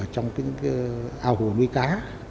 trong những ao hồ nuôi cá